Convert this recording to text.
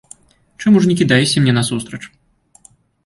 Чаму ж не кідаешся мне насустрач?